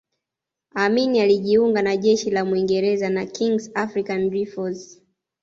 Amin alijiunga na Jeshi la Mwingereza la Kings African Rifles